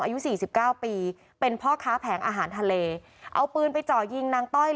อายุสี่สิบเก้าปีเป็นพ่อแผงอาหารทะเลเอาปืนไปจ่อยิงนังเล่นไม่เดิน